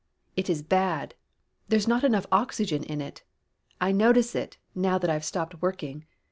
"It is bad. There's not enough oxygen in it. I notice it, now that I've stopped working.